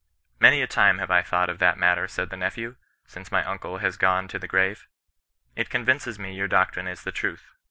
Many a time have I thought of that matter, said the nephew, since my uncle has gone to the grave. It convinces me your doctrine is the truth."